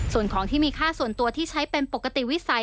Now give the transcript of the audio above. ส่วนของที่มีค่าส่วนตัวที่ใช้เป็นปกติวิสัย